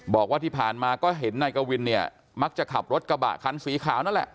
บอกว่าที่ผ่านมาก็เห็นนายกวินเนี่ยมักจะขับรถกระบะคันสีขาวนั่นแหละ